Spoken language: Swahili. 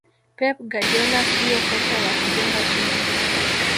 pep guardiola siyo kocha wa kujenga timu